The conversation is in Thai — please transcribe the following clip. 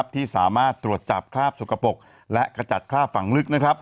ที่สามารถตรวจจับคราบสกปรกและขจัดคราบฝั่งลึก